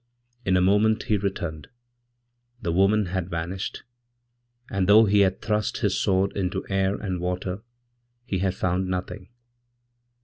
In a moment he returned. The womanhad vanished, and though he had thrust his sword into air and waterhe had found nothing.